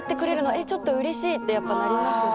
えっちょっとうれしいってやっぱなりますし。